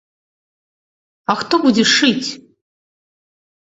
А хто будзе шыць?